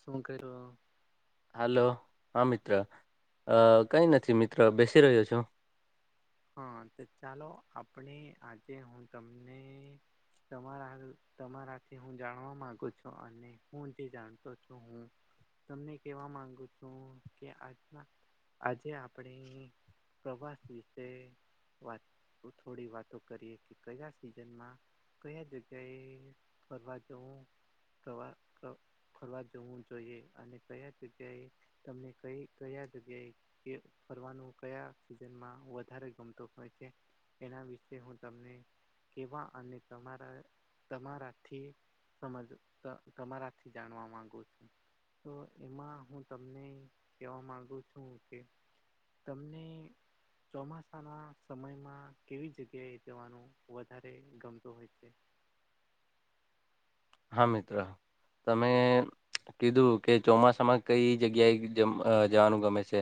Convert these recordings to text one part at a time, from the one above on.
શું કરો હો? હલો. હા મિત્ર. અહ કંઈ નથી મિત્ર, બેસી રહ્યો છું. હા. તો ચાલો આપણે આજે હું તમને તમારા-તમારાથી હું જાણવા માંગુ છું, અને હું જે જાણતો છું હું તમને કેવા માંગુ છું કે આજ, આજે આપણે પ્રવાસ, વાત થોડી વાતો કરીએ કે કયા સિઝનમાં, કઈ જગ્યાએ ફરવા જવું પ્રવા, ફરવા જવું જોઈએ અને કયા જગ્યાએ, તમને કઈ જગ્યાએ ફરવાનું કયા સીઝનમાં, વધારે ગમતો હોય છે એના વિશે હું તમને, કેવા અને તમારા તમારાથી, સમજ તમારાથી જાણવા માંગુ છું. તો એમાં હું તમને કહેવા મામાંગુ છું કે, તમને, ચોમાસાના સમયમાં કેવી જગ્યાએ જવાનું વધારે ગમતું હોય છે. હા મિત્ર તમે, કીધુ કે ચોમાસામાં કઈ જગ્યાએ જવાનું ગમે છે.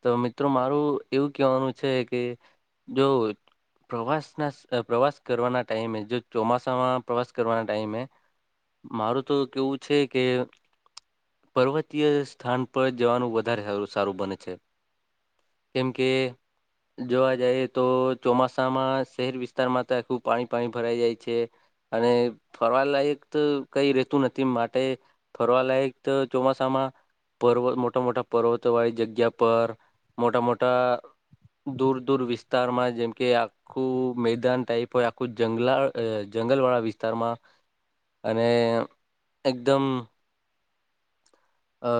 તો મિત્રો મારું એવું કેવાનું છે કે જો, પ્રવાસના પ્રવાસ કરવાના ટાઈમે જો ચોમાસામાં પ્રવાસ કરવાના ટાઈમે, મારું તો કેવું છે કે. પર્વતીય સ્થાન પર જવાનું વધારે સારું બને છે. કેમ કે, જોવા જઈએ તો ચોમાસામાં શહેર વિસ્તારમાં તો આખું પાણી પાણી ભરાઈ જાય છે. અને ફરવા લાયક, કઈ રહેતું નથી માટે ફરવા લાયક ચોમાસામાં, પર્વ મોટા-મોટા પર્વતો વાળી જગ્યા પર મોટા-મોટા, દૂર દૂર વિસ્તારમાં જેમકે આ, ્ આખું મેદાન ટાઈપ હોય આખું જંગલ વાળા વિસ્તારમાં, અને એકદમ, અ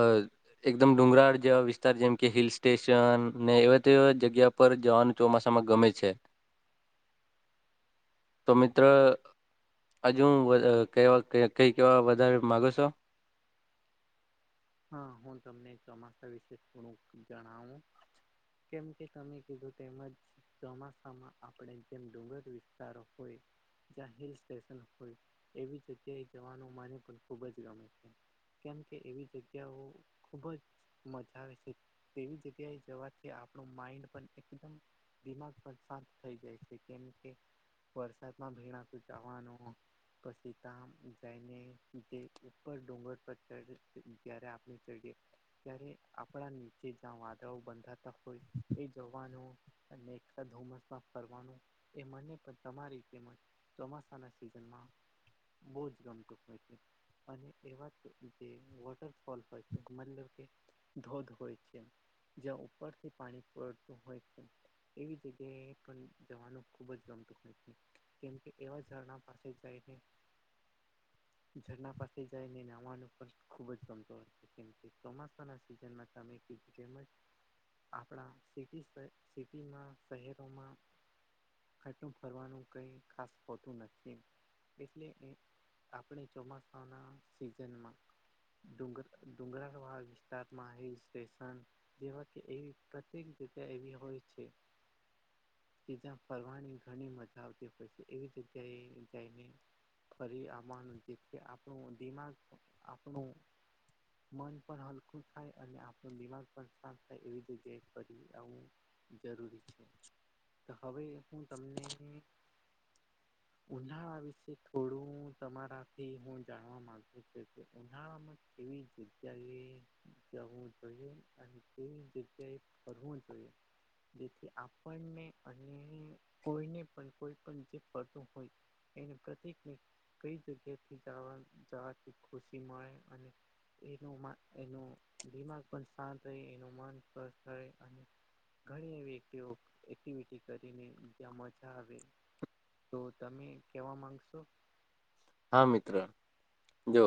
એકદમ ડુંગરાળ જેવા વિસ્તાર જેમ કે હિલ સ્ટેશન ને એવા તેવા જગ્યા, પર જવાનું ચોમાસામાં ગમે છે. તો મિત્ર હજુ કેવા કઈ કેવા વધારે માગો છો. હા હું તમને ચોમાસા વિશે થોડુંક જણાવું. કેમ કે તમે કહ્યું તેમજ, ચોમાસામાં આપણે જેમ ડુંગર વિસ્તારો હોય. જ્યાં હિલ સ્ટેશન હોય એવી જગ્યાએ જવાનું મને પણ ખૂબ જ ગમે છે. કેમ કે એવી જગ્યાઓ ખુબ જ, મજા આવે છે તેવી જગ્યાએ જવાથી આપણું માઇન્ડ પણ એકદમ, દિમાગ પણ શાંત થઈ જાય છે, કેમ કે વરસાદમાં ભીણાતું જવાનું, પછી ત્યાં જાયને જે ઉપર ડૂંગર પડ ચડ, ત્યારે આપણે જોઈએ, ત્યારે આપણા નીચે જ્યાં વાદળાઓ બંધાતા હોય. એ જવાનું અને એક ધુમ્મસમાં ફરવાનું એ મને પણ તમારી તેમમ, ચોમાસાના સીઝન માં, બહુ જ ગમતું હોય છે, અને એવા જ રીતે વોટર, ફોલ છે મતલબ કે ધોધ હોય છે. જ્યાં ઉપરથી પાણી પડતું હોય છે, એવી જગ્યાએ પણ જવાનું ખુબ જ ગમતું હોય છે. કેમકે તેવા ઝરણા પાસે જાયને, ઝરણા પાસે જાયને નાવાનું પણ ખૂબ જ, ગમતું હોય છે, કેમ ચોમાસાના સિઝનમાં તમે કહ્યું તેમજ, આપણા સિટીમાં, શહેરોમાં, આટલું ફરવાનું કઈ ખાસ હોતું નથી. એટલે એ આપણે ચોમાસાના સિઝનમાં, ડુંગ ડુંગરાળવાળ વિસ્તારમાં હિલ સ્ટેશન જેવા કે એવી પ્રત્યેક જગ્યા એવી હોય છે. કે જ્યાં ફરવાની ઘણી મજા આવતી હોય છે. એવી જગ્યાએ જઈને. ફરી આવાનું જેથી આપણું દિમાગ આપણું. મન પણ હલકું થાય અને આપણું દિમાગ પણ શાંત થાય એવી જગ્યાએ ફરી આવું. જરૂરી છે, તો હવે હું તમને ઉનાળા વિશે થોડું તમારાથી હું જાણવા માંગુ કે, ઉનાળામાં કેવી જગ્યાએ જવું જોઇએ અને કેવી જગ્યાએ ફરવું જોઈએ. જેથી આપને અને કોઈને પન કોઈ પણ જે ફરતું હોય. એને પ્રત્યેકને કઈ જગ્યાથી જાવા જાવાથી ખુશી મળે અને એનું મા એનું દિમાગ પણ સાંત યહે એનું મન સ્પસ થહે અને ઘણી એવી એક્ટિવો એક્ટિવિટી કરીને જ્યાં મજા આવે. તો તમે કેવા માંગશો. હા મિત્ર, જો.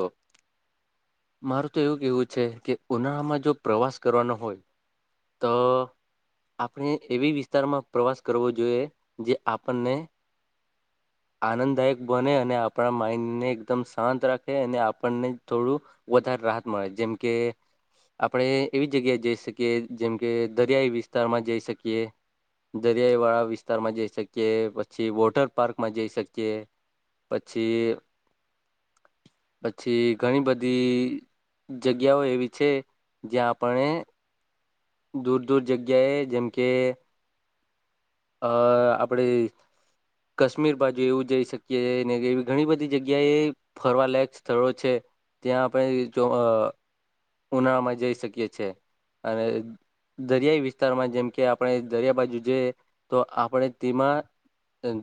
મારું તો એવું કેવું છે, કે ઉનાળામાં જો પ્રવાસ કરવાનો હોય ત આપણે એવી વિસ્તારમાં પ્રવાસ કરવો જોઈએ, જે આપણને આનંદદાયક બને અને આપણા માઇન ને એકદમ શાંત રાખે અને આપને થોડું વધારે રાહત મળે. જેમ કે આપણે એવી જગ્યાએ જઈ સકીએ, જેમ કે દરિયાઈ વિસ્તારમાં જઈ સકીએ. દરિયાઈ વાળા વિસ્તારમાં જઈ સકીએ, પછી વોટર પાર્કમાં જઈ સકીએ. પછી, પછી ઘણી બ ધી જગ્યાઓ એવી છે, જ્યાં આપણે દૂર દૂર જગ્યાએ, જેમ કે અ આપડણેે કશ્મીર બાજુ એવું જઈ સકીએ, ને એવી ઘણી બધી જગ્યાએ ફરવાલાયક સ્થળો છે, ત્યાં આપણે જો ઉનાળામાં જઈ સકીએ છીએ અને દરિયાઈ વિસ્તારમાં. જેમ કે, આપણે દરિયા બાજુ જઈએ તો આપણે તેમાં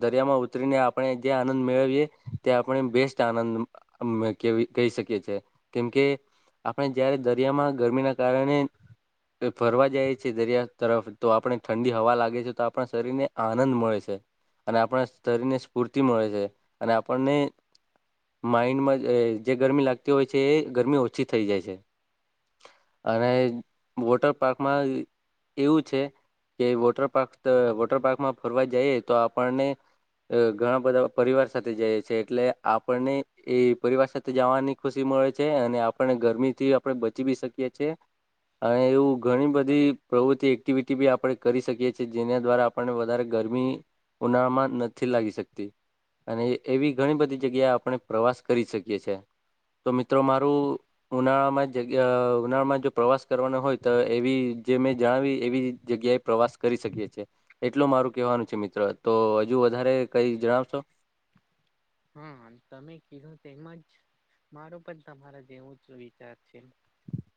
દરિયામાં ઉતરીને આપણે જે આનંદ મેળવીએ, તે આપણે બેસ્ટ આનંદ અમ કેવી કઈ સકીએ છે. કેમ કે આપણે જયારે દરિયામાં ગરમીના કારણે ફરવા જાય છીએ, દરિયા તરફ તો આપણે ઠંડી હવા લાગે છે તો આ આપણા શરીર ને આનંદ મળે છે. અને આપણા શરીર ને સ્ફૂર્તિ મળે છે અને આપણને માઇન્ડમાં જ અ જે ગરમી લાગતી હોય છે, એ ગરમી ઓછી થઈ જાય છે. અને વોટર પાકમાં એવું છે કે વોટર પાર્કક્ડ વોટર પાર્કમાં ફરવા જઈએ તો આપણને અ ઘણા બધા પરિવાર સાથે જઈએ છે એટલે આપણને એ પરિવાર સાથે જવાની ખુશી મળે છે અને આપણે ગરમી થી આપણે બચી બી સકીએ છીએ. અને એવું ઘણી બધી પ્રવૃત્તિ એક્ટિવિટી બી આપડે કરી સકીએ છી જેના દ્વારા આપને વધારે ગરમી ઉનાળામાં નથી લાગી સકતી. અને એવી ઘણી બધી જગ્યા આપણે પ્રવાસ કરી સકીએ છે. તો મિત્રો, મારું. ઉનાળામાં જગ્યા ઉનાળામાં જો પ્રવાસ કરવાનો હોય તો એવી જે મેં જણાવી એવી જ જગ્યાએ પ્રવાસ કરી સકીએ છે. એટલો મારે કેવાનું છે મિત્ર, તો હજુ વધારે કઈ જણાવશો. હા હા, તમે કીધો તેમજ. મારુ પન તમારા જેવું જ વિચાર છે.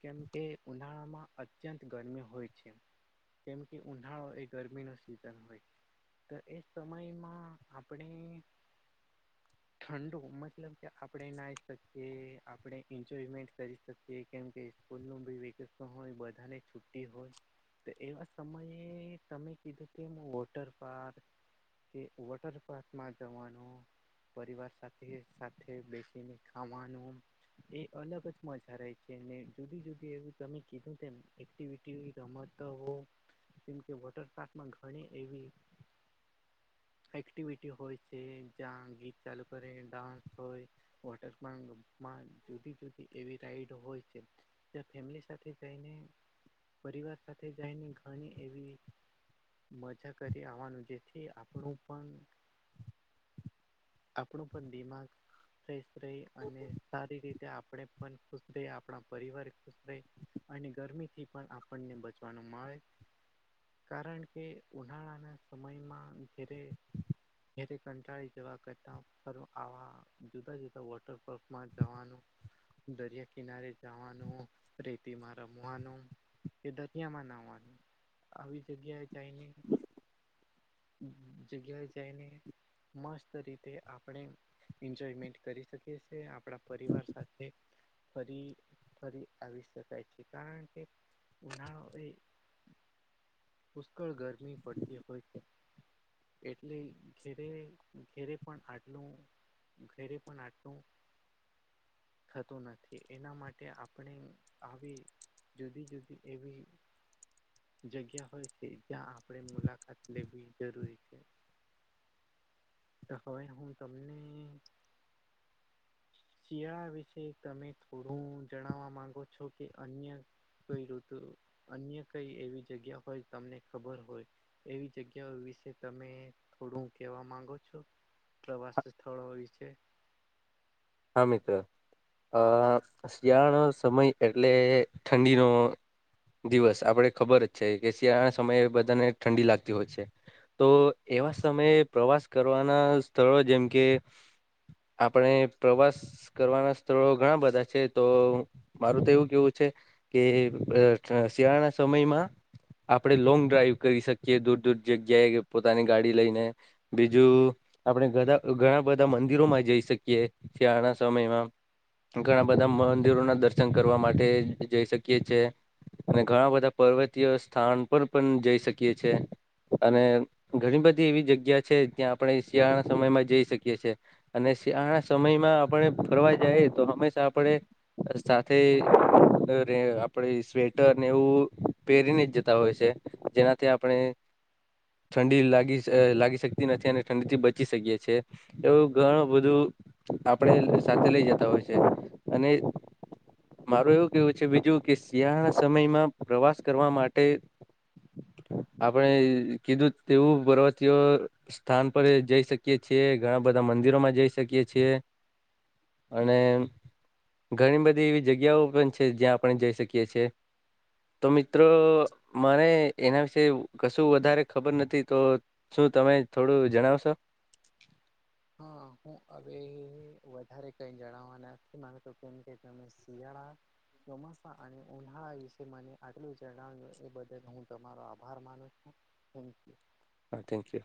કેમ કે ઉનાળામાં અત્યંત ગરમી હોય છે કેમ કે ઉનાળો એ ગરમી નો સિઝન હોય તો એ સમયમાં આપણે ઠંડો મતલબ કે આપણે નાઈ શકીએ આપણે એન્જોયમેન્ટ કરી શકીએ કેમ કે સ્કૂલ ભી ની વકેશન હોય બધાને છુટ્ટી હોય તો એવા સમયે તમે કીધું કેમ વોટર પાર્ક કે વોટર પાર્ક માં જવાનું પરિવાર સાથે સાથે બેસીને ખાવાનું એ અલગ જ મજા રહે છે ને જુદી જુદી એવું તમે કીધું તેમ એકટી રમતા હો કેમકે વોટર પાર્કમાં ઘણી એવી એક્ટિવિટી હોય છે જ્યાં ગીત ચાલુ કરે ડાન્સ હોય વોટરકમાં જુદી જુદી એવી રાઈડ હોય છે. ત્યા ફેમિલી સાથે જઈને પરિવાર સાથે જઈને ઘણી એવી મજા કરી આવવાનું જેથી આપણું પણ આપણું પણ દિમાગ ફેશ રહી અને સારી રીતે આપણે પણ તે આપણા પરિવાર ખુશ રહે અને ગરમીથી પણ આપણને બચવાનું મળે કારણ કે ઉનાળાના સમયમાં ઘરે કંટાળી જવા કરતા આવા જુદા જુદા વોટર પાર્કમાં જવાનું દરિયા કિનારે જવાનું રેતીમાં રમવાનું કે દતિયામાં નવાનું આવી જગ્યાએ જાઈને હ જગ્યા જાય ન મસ્ત રીતે આપણે એન્જોયમેન્ટ કરી શકીએ છે આપણા પરિવાર સાથે ફરી ફરી આવી શકાય છે કારણ કે ઉનાળો એ પુષ્કળ ગરમી પડતી હોય એટલે ઘેરે ઘેરે પણ આટલું. ઘેરે પણ આટું થતું નથી એના માટે આપણે આવી જુદી જુદી એવી જગ્યા હોય છે જ્યાં આપણેે મુલાકાત લેવી જરૂરી છે. તો હવે હું તમને શિયાળા વિશે તમે થોડું જણાવવા માંગો છો કે અન્ય કોઈ ઋતુ અન્ય કઈ એવી જગ્યા હોય. તમને ખબર હોય એવી જગ્યાઓ વિશે તમે થોડું કેવા માંગો છો પ્રવાસ સ્થળો હોય છે. હા મિત્ર અ શિયાળો સમય એટલે ઠંડીનો દિવસ આપણે ખબર જ છે કે શિયાળા સમયે બધાને ઠંડી લાગતી હોય છે. તો એવા સમયે પ્રવાસ કરવાના સ્થળો જેમ કે આપણે પ્રવાસ કરવાના સ્થળો ઘણા બધા છે તો મારું તો એવું કેવું છે. કે શિયાળાના સમયમાં આપણે લોંગ ડ્રાઈવ કરી શકીએ દૂર દૂર જગ્યાએ પોતાની ગાડી લઈને બીજું આપડધા ઘણા બધા મંદિરોમાં જઈ શકીએ શિયાળા ના સમયમાં ઘણા બધા મંદિરો ના દર્શન કરવા માટે જઈ શકીએ છે. અને ઘણા બધા પર્વતીય સ્થાન પણ પણ જઈ શકીએ છે. અને ઘણી બધી એવી જગ્યા છે જ્યાં આપણે શિયાળા સમયમાં જઈ શકીએ છએ અને શિયાળા ના સમયમાં આપણે ફરવા જઈ તો હંમેશા આપણેે સાથે આપડે સ્વેટર ને એવું પહેરીને જ જતા હોય છે. જેનાથી આપણે ઠંડી લાગી લાગી શ અ શકતી નથી અને ઠંડી થી બચી શકીએ છે. એવું ઘણું બધું આપણે સાથે લઈ જતા હોય છે અને મારું એવું કેવું છે બીજું કે શિયા સમયમાં પ્રવાસ કરવા માટે આપણે કીધું તેવું પર્વતીયો સ્થાન પર જઈ શકીએ છીએ ઘણા બધા મંદિરો માં જઈ શકીએ છી અને ઘણી બધી એવી જગ્યાઓ પણ છે જ્યાં આપણે જઈ શકીએ છે. તો મિત્ર મને એના વિશે કશું વધારે ખબર નથી તો શું તમે થોડું જણાવશો. હા, હું હવે વધારે કઈ જણાવવા નથી માગતો તો કેમ કે અમે શિયાળા ચોમાસા અને ઉનાળા વિશે મને આટલું જણાવ્યું એ બદલ હું તમારો આભાર માનું છું. Thank you. Thank you.